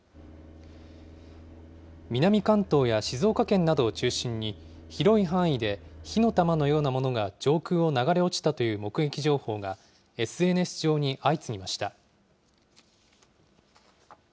南関東や静岡県などを中心に、広い範囲で火の玉のようなものが上空を流れ落ちたという目撃情報が、ＳＮＳ上に相次ぎました。